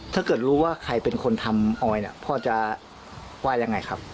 ถ้าเกิดรู้ว่าใครเป็นคนทำออยเนี่ยพ่อจะว่ายังไงครับ